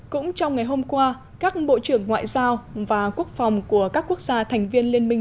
cũng trong ngày hôm qua các bộ trưởng ngoại giao và quốc phòng của các quốc gia thành viên liên minh